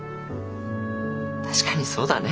確かにそうだね。